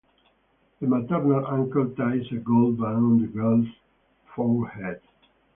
The maternal uncle ties a gold band on the girl's forehead.